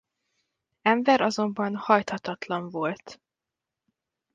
Enver azonban hajthatatlan volt.